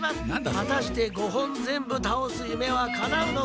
はたして５本ぜんぶ倒す夢はかなうのか！？